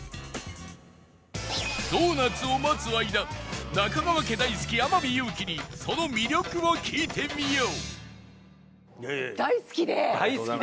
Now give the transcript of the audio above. ドーナツを待つ間中川家大好き天海祐希にその魅力を聞いてみよう